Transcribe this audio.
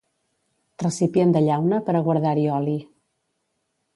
Recipient de llauna per a guardar-hi oli.